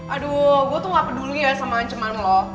aduh gue tuh gak peduli ya sama cuman lo